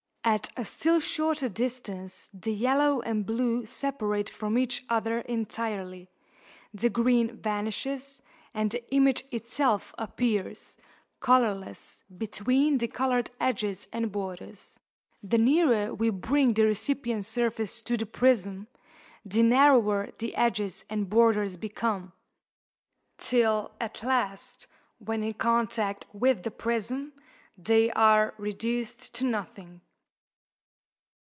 At a still shorter distance the yellow and blue separate from each other entirely, the green vanishes, and the image itself appears, colourless, between the coloured edges and borders. The nearer we bring the recipient surface to the prism, the narrower the edges and borders become, till at last, when in contact with the prism, they are reduced to nothing.